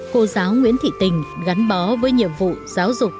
cô giáo nguyễn thị tình gắn bó với nhiệm vụ giáo dục